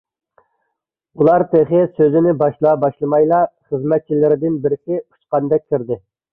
ئۇلار تېخى سۆزىنى باشلا - باشلىمايلا خىزمەتچىلىرىدىن بىرسى ئۇچقاندەك كىردى.